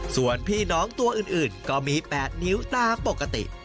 ส่วนพี่น้องตัวอื่นก็มี๘นิ้วตามปกติ